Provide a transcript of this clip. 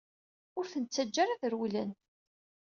Ur ten-ttaǧǧa ara ad rewlen!